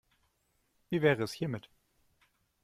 Wie wäre es hiermit?